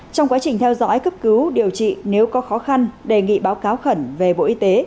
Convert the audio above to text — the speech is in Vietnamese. trong quá trình theo dõi cấp cứu điều trị nếu có khó khăn đề nghị báo cáo khẩn về bộ y tế